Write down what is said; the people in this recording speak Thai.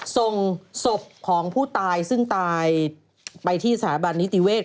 ส่งศพของผู้ตายซึ่งตายไปที่สถาบันนิติเวศ